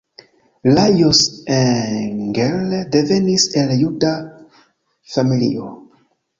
Lajos Engel devenis el juda familio.